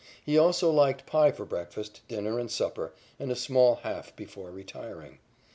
He also liked pie for breakfast, dinner and supper, and a small half before retiring.